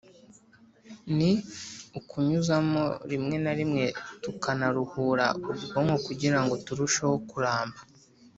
Ni ukunyuzamo rimwe na rimwe tukanaruhura ubwonko kugirango turusheho kuramba.